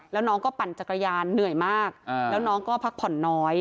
แล้วน้องก็ปั่นจักรยานเหนื่อยมากแล้วน้องก็พักผ่อนน้อย